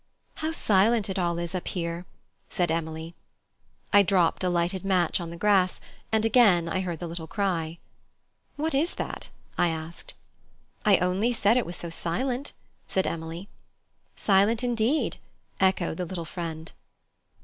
"How silent it all is up here!" said Emily. I dropped a lighted match on the grass, and again I heard the little cry. "What is that?" I asked. "I only said it was so silent," said Emily. "Silent, indeed," echoed the little friend.